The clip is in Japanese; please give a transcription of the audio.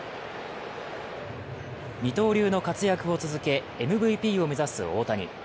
二刀流の活躍を続けＭＶＰを目指す大谷。